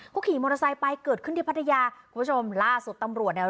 เขาขี่มอเตอร์ไซค์ไปเกิดขึ้นที่พัทยาคุณผู้ชมล่าสุดตำรวจเนี่ย